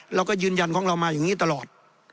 เราก็ยืนยันของเรามาอย่างนี้ตลอด